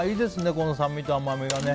この酸味と甘みがね。